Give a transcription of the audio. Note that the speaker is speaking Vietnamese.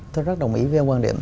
tôi rất đồng ý với quan điểm